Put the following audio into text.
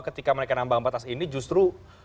ketika mereka nambang batas ini justru